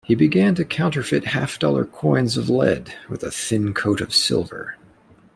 He began to counterfeit half-dollar coins of lead with a thin coat of silver.